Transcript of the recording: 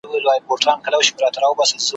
ځان یې هسي اخته کړی په زحمت وي `